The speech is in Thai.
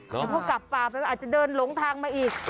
เพราะกลับป่าอาจจะเดินหลงทางมาอีก